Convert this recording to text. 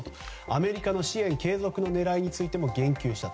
アメリカの支援継続の狙いについても言及した。